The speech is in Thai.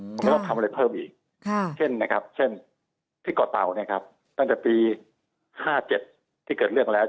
เพราะว่าต้องทำอะไรเพิ่มอีกเช่นที่กอเตาตั้งแต่ปี๕๗ที่เกิดเรื่องแล้ว